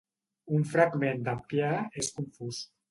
Un fragment d'Appià és confús.